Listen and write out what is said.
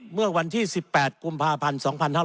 เมื่อวันที่๑๘กุมภาพันธ์๒๕๕๙